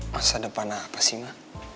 masa depan apa sih mbak